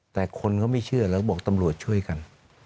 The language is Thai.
แต่คนเขาไม่เชื่อแล้วก็บอกตำรวจช่วยกัน